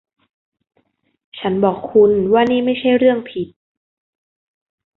ฉันบอกคุณว่านี่ไม่ใช่เรื่องผิด